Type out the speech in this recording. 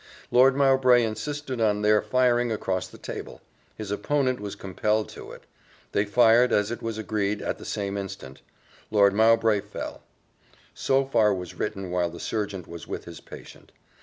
Lord Mowbray insisted on their firing across the table: his opponent was compelled to it. They fired, as it was agreed, at the same instant: Lord Mowbray fell. So far was written while the surgeon was with his patient.